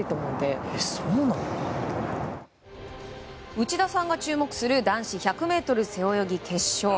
内田さんが注目する男子１００ｍ背泳ぎ決勝。